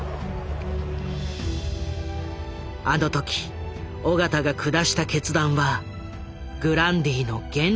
あの時緒方が下した決断はグランディの原点になっている。